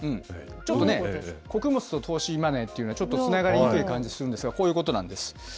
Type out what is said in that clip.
ちょっとね、穀物と投資マネーっていうのは、ちょっとつながりにくい感じがするんですが、こういうことなんです。